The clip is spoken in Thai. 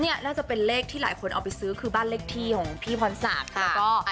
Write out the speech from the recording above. นี่น่าเป็นเลขที่บ้านเลขที่หรือพี่พรศักดิ์ค่ะ